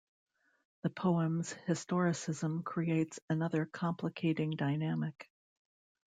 The poem's historicism creates another complicating dynamic.